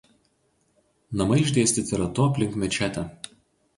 Namai išdėstyti ratu aplink mečetę.